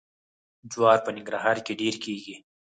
جوار په ننګرهار کې ډیر کیږي.